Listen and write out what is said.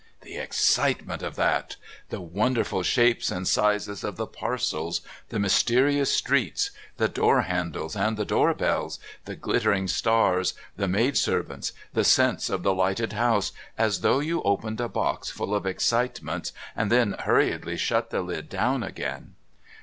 The excitement of that! The wonderful shapes and sizes of the parcels, the mysterious streets, the door handles and the door bells, the glittering stars, the maidservants, the sense of the lighted house, as though you opened a box full of excitements and then hurriedly shut the lid down again.